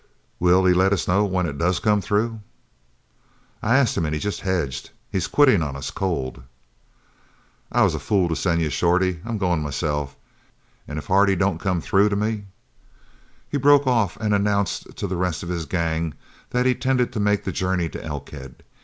"Will he let us know when it does come through?" "I asked him, an' he jest hedged. He's quitting on us cold." "I was a fool to send you, Shorty. I'm goin' myself, an' if Hardy don't come through to me " He broke off and announced to the rest of his gang that he intended to make the journey to Elkhead.